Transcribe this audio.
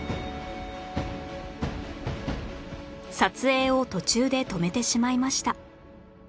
撮影を途中で止めてしまいました